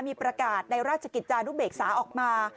มีประกาศในราชกิจจานุเบกษาออกมา